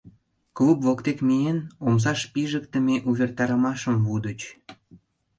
Клуб воктек миен, омсаш пижыктыме увертарымашым лудыч.